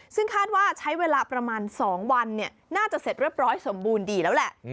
ซึ่งคาดว่าใช้เวลาประมาณ๒วันน่าจะเสร็จเรียบร้อยสมบูรณ์ดีแล้วแหละ